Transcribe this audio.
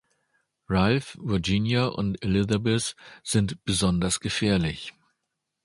Ralph, Virginia und Elizabeth sind besonders gefährlich.